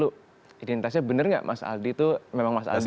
diverifikasi dulu identitasnya benar gak mas aldi itu memang mas aldi